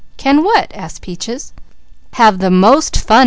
"Can what?" asked Peaches. "Have the most fun!"